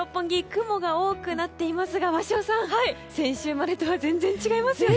雲が多くなっていますが鷲尾さん、先週までとは全然違いますよね。